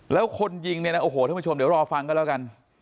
แล้วคนยิงเนี่ยนะโอ้โหท่านผู้ชมเดี๋ยวรอฟังกันแล้วกัน